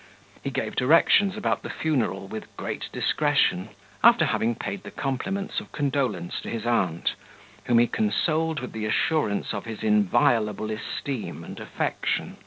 He gave directions about the funeral with great discretion, after having paid the compliments of condolence to his aunt, whom he consoled with the assurance of his inviolable esteem and affection.